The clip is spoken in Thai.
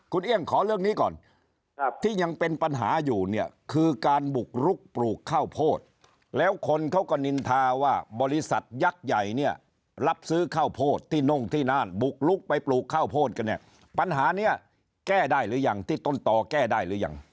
คุณเอี่ยงขอเรื่องนี้ก่อนที่ยังเป็นปัญหาอยู่เนี่ยคือการบุกลุกปลูกข้าวโพดแล้วคนเขาก็นินทาว่าบริษัทยักษ์ใหญ่เนี่ยรับซื้อข้าวโพดที่น่งที่น่านบุกลุกไปปลูกข้าวโพดกันเนี่ยปัญหานี้แก้ได้หรือยังที่ต้นต่อแก้ได้หรือยัง